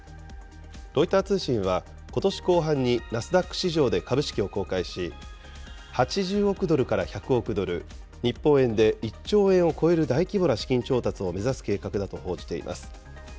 ロイター通信はことし後半にナスダック市場で株式を公開し、８０億ドルから１００億ドル、日本円で１兆円を超える大規模な資金調達を目指す計画だと報じています。